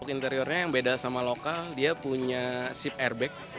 interiornya yang beda sama lokal dia punya ship airbag